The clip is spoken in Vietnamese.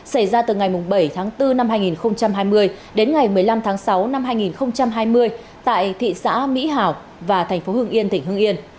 xảy ra từ ngày bảy tháng bốn năm hai nghìn hai mươi đến ngày một mươi năm tháng sáu năm hai nghìn hai mươi tại thị xã mỹ hảo và thành phố hưng yên tỉnh hương yên